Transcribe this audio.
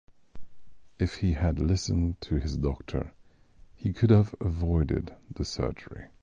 If he had listened to his doctor, he could have avoided the surgery.